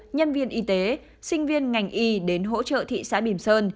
nhân viên y tế sinh viên ngành y đến hỗ trợ thị xã bìm sơn